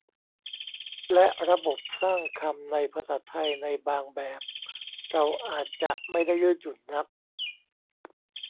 และระบบสร้างคำในภาษาไทยในบางแบบเราอาจจะไม่ได้ยืดหยุ่นนัก